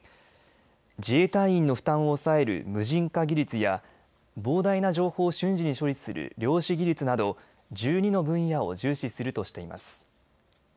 自衛隊の負担を抑える無人化技術や膨大な情報を瞬時に処理する量子技術など１２の分野を重視するとしています。